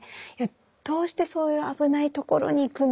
「どうしてそういう危ないところに行くんだ」